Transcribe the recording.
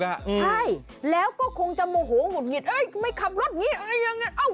ใช่แล้วก็คงจะโมโหหุ่นเงียดไม่ขับรถอย่างนี้อย่างนี้